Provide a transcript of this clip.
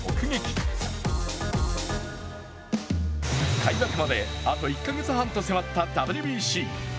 開幕まで、あと１か月半と迫ったＷＢＣ。